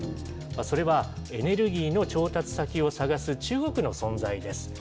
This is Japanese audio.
それは、エネルギーの調達先を探す中国の存在です。